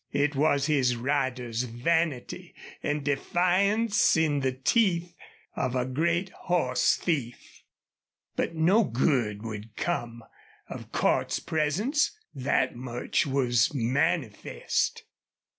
It was his rider's vanity and defiance in the teeth of a great horse thief. But no good would come of Cordts's presence that much was manifest.